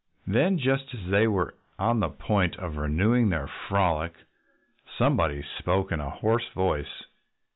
Then, just as they were on the point of renewing their frolic, somebody spoke in a hoarse voice.